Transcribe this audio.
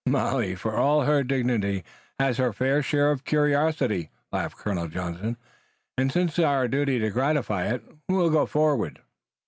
"Molly, for all her dignity, has her fair share of curiosity," laughed Colonel Johnson, "and since it's our duty to gratify it, we'll go forward."